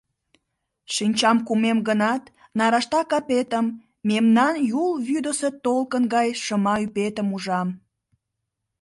Шинчам кумем гынат, нарашта капетым, мемнан Юл вӱдысӧ толкын гай шыма ӱпетым ужам.